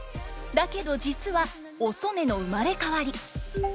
だけど実はお染の生まれ変わり。